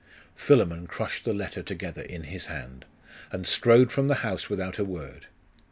Philammon crushed the letter together in his hand, and strode from the house without a word.